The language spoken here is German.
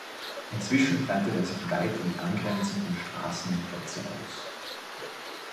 Inzwischen breitet er sich weit in die angrenzenden Straßen und Plätze aus.